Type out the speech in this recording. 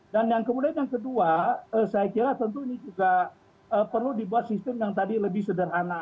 dan yang kemudian yang kedua saya kira tentu ini juga perlu dibuat sistem yang tadi lebih sederhana